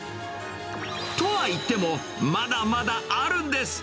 とはいっても、まだまだあるんです。